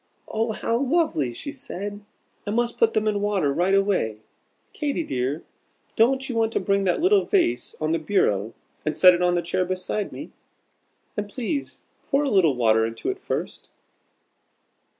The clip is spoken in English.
"Oh, how lovely!" she said; "I must put them in water right away. Katy dear, don't you want to bring that little vase on the bureau and set it on this chair beside me? And please pour a little water into it first."